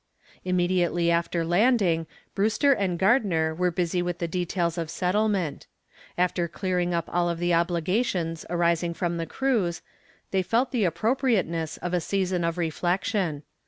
Immediately after the landing Brewster and Gardner were busy with the details of settlement. After clearing up all of the obligations arising from the cruise, they felt the appropriateness of a season of reflection.